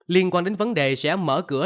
liên quan đến vấn đề sẽ mở cửa